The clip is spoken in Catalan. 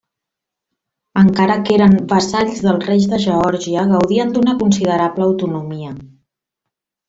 Encara que eren vassalls dels reis de Geòrgia, gaudien d'una considerable autonomia.